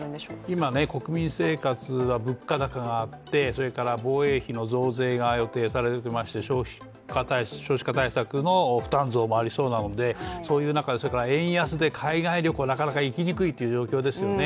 今、国民生活は物価高があって、防衛費の増税が予定されていまして少子化対策の負担増もありそうなので、そういう中でそれから円安で海外旅行、なかなか行きにくいっていう状況ですよね。